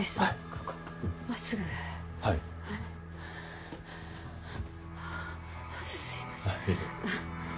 ここまっすぐはいすいませんいえ